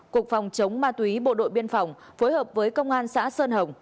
cục phòng chống ma túy bộ đội biên phòng phối hợp với công an xã sơn hồng